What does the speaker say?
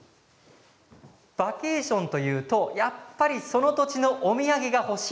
バケーションというとやっぱりその土地のお土産が欲しい